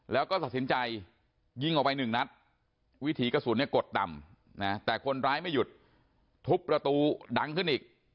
แล้วก็ตัดสินใจยิงออกไปหนึ่งนัดวิถีกระสุนเนี่ยกดต่ำนะแต่คนร้ายไม่หยุดทุบประตูดังขึ้นอีก